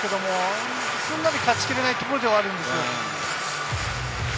、すんなり勝ちきれないところではあるんです。